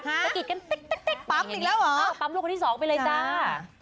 ปรับกิจกันติ๊กติ๊กอย่างนี้อย่างนี้อ้าวปรับลูกคนที่๒ไปเลยจ้า